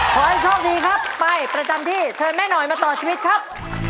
ขอให้โชคดีครับไปประจำที่เชิญแม่หน่อยมาต่อชีวิตครับ